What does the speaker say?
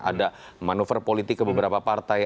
ada manuver politik ke beberapa partai